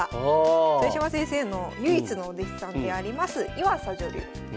豊島先生の唯一のお弟子さんであります岩佐女流。